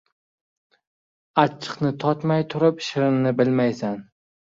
• Achchiqni totmay turib shirinni bilmaysan.